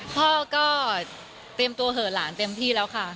พ่อก็เตรียมตัวเหอะหลานเต็มที่แล้วค่ะ